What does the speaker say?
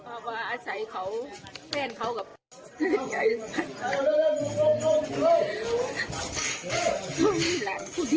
พ่อบอกว่าอาศัยเขาแฟนเขาก็เป็นคนดี